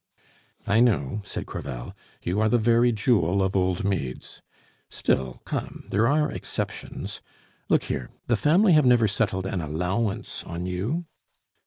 "I know," said Crevel; "you are the very jewel of old maids. Still, come, there are exceptions. Look here, the family have never settled an allowance on you?"